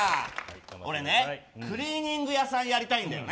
俺ね、クリーニング屋さんやりたいんだよね。